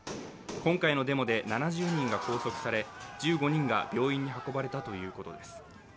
今回のデモで７０人が拘束され１５人が病院に運ばれたということです。